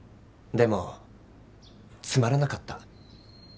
でもつまらなかった。